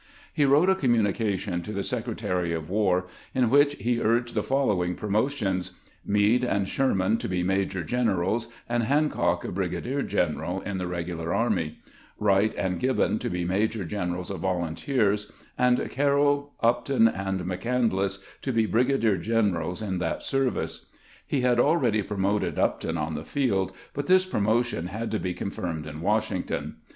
He wrote a communication to the Secretary of War, in which he urged the following promotions : Meade and Sherman to be major generals, and Hancock a brigadier general, in the regular army; Wright and Gibbon to be major generals of volunteers ; and Carroll, 8 113 114 CAMPAIGNING WITH GRANT Upton, and McCandless to be brigadier generals in that service. He had already promoted Upton on the field, but this promotion had to be confirmed at Washington.